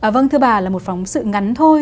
vâng thưa bà là một phóng sự ngắn thôi